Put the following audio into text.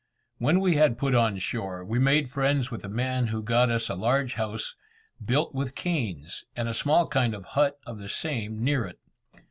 When we had put on shore, we made friends with a man who got us a large house, built with canes, and a small kind of hut of the same near it.